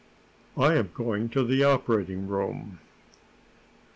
"I am going to the operating room."